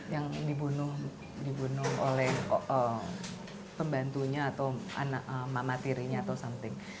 yang dibunuh dibunuh oleh pembantunya atau anak mamatirinya atau something